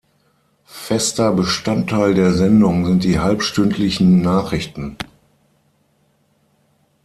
Fester Bestandteil der Sendung sind die halbstündlichen Nachrichten.